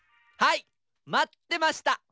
はいまってました！